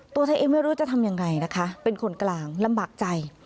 ตัวเธอเองไม่รู้จะทำยังไงนะคะเป็นคนกลางลำบากใจ